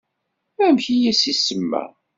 Amek i as-isema?